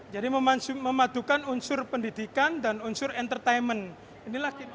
jadi memadukan unsur pendidikan dan unsur entertainment